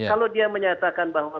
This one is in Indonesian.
kalau dia menyatakan bahwa